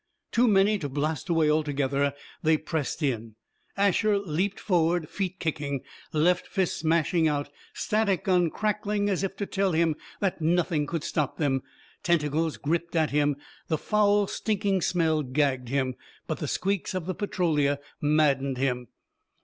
Too many to blast away altogether, they pressed in. Asher leaped forward, feet kicking, left fist smashing out, static gun crackling as if to tell him that nothing could stop them. Tentacles gripped at him, the foul, stinking smell gagged him. But the squeaks of the Petrolia maddened him.